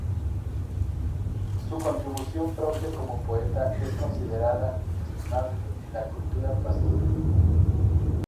Su contribución propia como poeta es considerada inestimable en la cultura pastún.